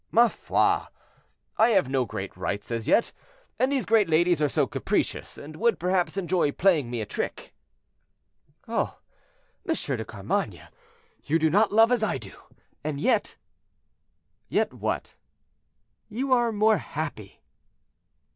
"Ma foi! I have no great rights as yet; and these great ladies are so capricious, and would, perhaps, enjoy playing me a trick." "Oh! M. de Carmainges, you do not love as I do; and yet—" "Yet what?" "You are more happy."